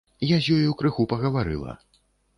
Я з ёю крыху пагаварыла.